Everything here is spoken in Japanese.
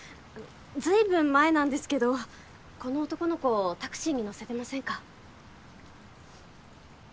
ずいぶん前なんですけどこの男の子をタクシーに乗せてませんか？